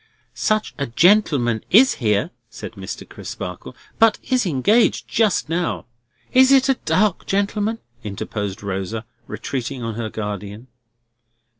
"Such a gentleman is here," said Mr. Crisparkle, "but is engaged just now." "Is it a dark gentleman?" interposed Rosa, retreating on her guardian.